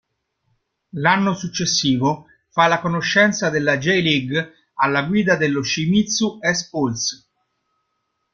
L'anno successivo fa la conoscenza della J-League alla guida dello Shimizu S-Pulse.